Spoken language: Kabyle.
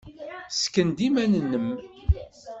Ssken-d iman-nnem.